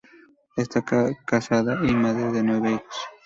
Esta casada y es madre de nueve hijos.